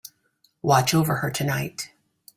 Watch over her tonight.